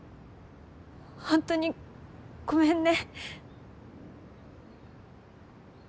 ホントにごめんね。